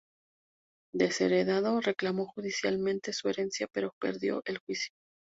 Desheredado, reclamó judicialmente su herencia, pero perdió el juicio.